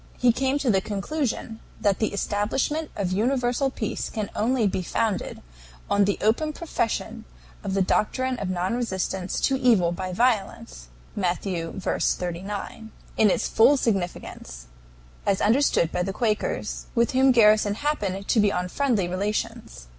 He came to the conclusion that the establishment of universal peace can only be founded on the open profession of the doctrine of non resistance to evil by violence (Matt. v. 39), in its full significance, as understood by the Quakers, with whom Garrison happened to be on friendly relations.